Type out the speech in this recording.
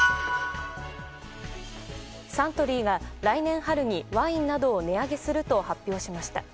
サントリーが来年春にワインなどを値上げすると発表しました。